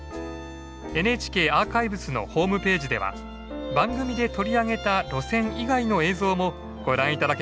ＮＨＫアーカイブスのホームページでは番組で取り上げた路線以外の映像もご覧頂けます。